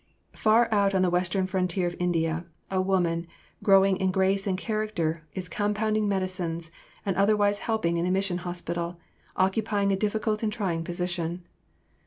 Far out on the western frontier of India, a woman, growing in grace and character, is compounding medicines, and otherwise helping in a mission hospital, occupying a difficult and trying position.